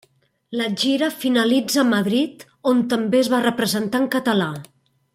La gira finalitza a Madrid, on també es va representar en català.